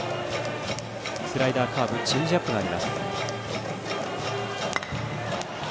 スライダー、カーブチェンジアップがあります。